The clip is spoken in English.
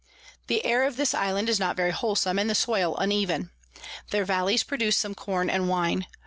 The Air of this Island is not very wholesom, and the Soil uneven. Their Valleys produce some Corn and Wine.